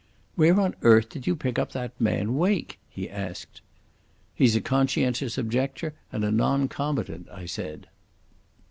"Where on earth did you pick up that man Wake?" he asked. "He's a conscientious objector and a non combatant," I said.